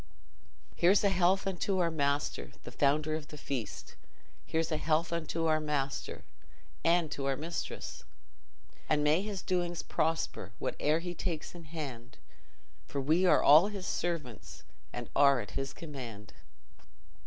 "Here's a health unto our master, The founder of the feast; Here's a health unto our master And to our mistress! And may his doings prosper, Whate'er he takes in hand, For we are all his servants, And are at his command."